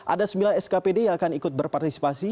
ada sembilan skpd yang akan ikut berpartisipasi